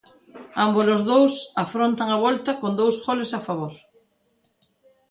Ambos os dous afrontan a volta con dous goles a favor.